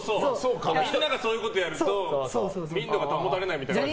みんながそういうことやると民度が保たれないって。